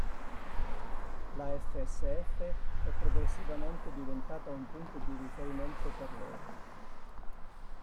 La FSF è progressivamente diventata un punto di riferimento per loro.